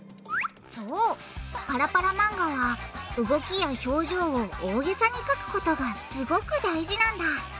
そうパラパラ漫画は動きや表情を大げさにかくことがすごく大事なんだ。